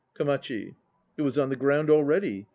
KOMACHI. It was on the ground already.